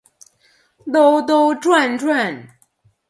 兜兜转转